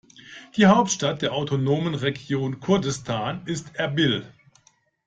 Die Hauptstadt der autonomen Region Kurdistan ist Erbil.